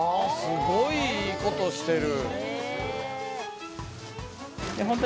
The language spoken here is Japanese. すごいいいことしてる。